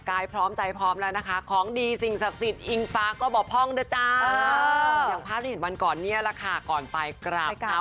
กล่าวล้างเท้าของแม่เลยคุณผู้ชมร้อนกลางเท้าอะ